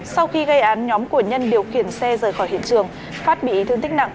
sau khi gây án nhóm của nhân điều khiển xe rời khỏi hiện trường phát bị thương tích nặng